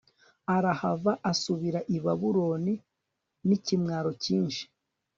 arahava asubira i babiloni n'ikimwaro cyinshi